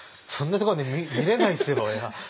そんなとこまで見れないですよ俺は。